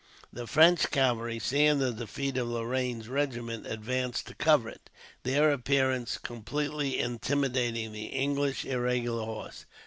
The French cavalry, seeing the defeat of Lorraine's regiment, advanced to cover it, their appearance completely intimidating the English irregular horse.